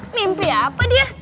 mimpi apa dia